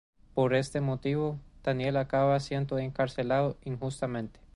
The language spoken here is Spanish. Por este motivo, Daniel acaba siendo encarcelado injustamente.